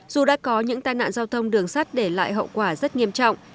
dù đã có những tai nạn giao thông đường sắt để lại hậu quả rất nghiêm trọng